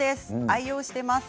愛用しています。